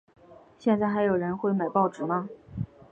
现在还有人会买报纸吗？